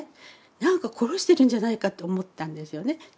何か殺してるんじゃないかと思ったんですよね。